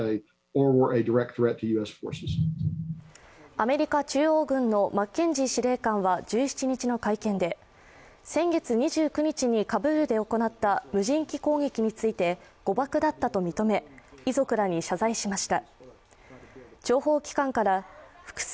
アメリカ中央軍のマッケンジー司令官は１７日の会見で先月２９日にカブールで行った無人機攻撃について、誤爆だったと認め、遺族らに謝罪しました。